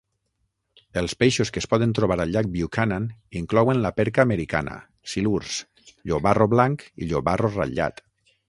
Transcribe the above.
Els peixos que es poden trobar al llac Buchanan inclouen la perca americana, silurs, llobarro blanc i llobarro ratllat.